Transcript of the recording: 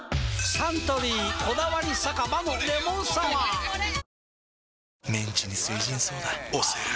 サントリー「こだわり酒場のレモンサワー」推せる！！